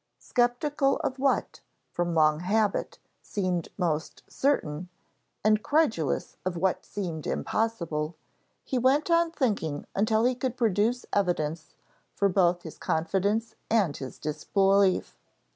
Skeptical of what, from long habit, seemed most certain, and credulous of what seemed impossible, he went on thinking until he could produce evidence for both his confidence and his disbelief.